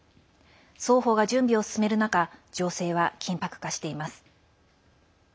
双方が準備を進める中情勢は緊迫化しています。